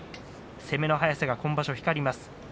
攻めの速さが今場所光ります。